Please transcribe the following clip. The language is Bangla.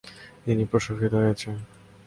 তিনি প্রশংসিত হয়েছেন।